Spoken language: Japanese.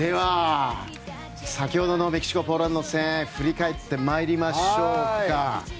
先ほどのメキシコ、ポーランド戦振り返ってまいりましょうか。